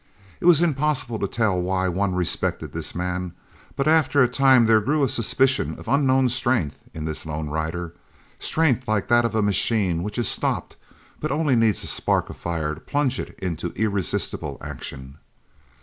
It was impossible to tell why one respected this man, but after a time there grew a suspicion of unknown strength in this lone rider, strength like that of a machine which is stopped but only needs a spark of fire to plunge it into irresistible action.